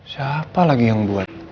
siapa lagi yang buat